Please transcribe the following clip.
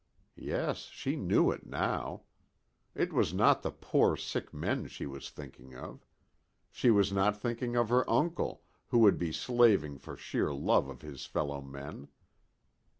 Yes, she knew it now. It was not the poor sick men she was thinking of. She was not thinking of her uncle, who would be slaving for sheer love of his fellow men.